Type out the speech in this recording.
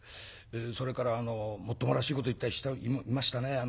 それからもっともらしいこと言った人もいましたね。